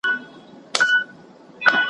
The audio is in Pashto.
مشوره به هم مني د ګیدړانو ,